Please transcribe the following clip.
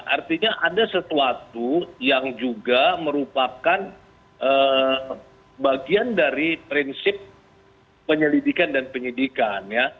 artinya ada sesuatu yang juga merupakan bagian dari prinsip penyelidikan dan penyidikan